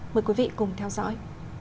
mời quý vị cùng theo dõi